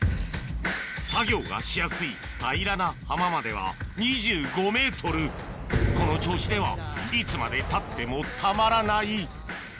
作業がしやすい平らな浜まではこの調子ではいつまでたってもたまらないと